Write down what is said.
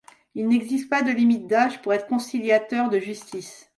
Il n'existe pas de limite d'âge pour être conciliateur de justice.